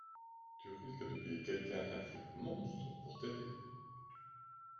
Tu risques de payer quelqu'un un fric monstre pour t'aider.